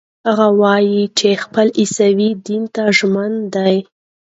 هغه وايي چې خپل عیسوي دین ته ژمن دی.